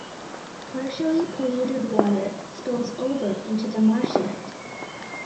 Partially polluted water spills over into the marshland.